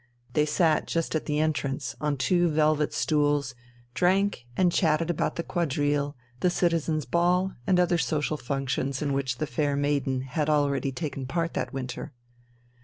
They sat just at the entrance on two velvet stools, drank and chatted about the quadrille, the Citizens' Ball, and other social functions in which the fair maiden had already taken part that winter....